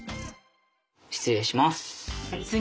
失礼します。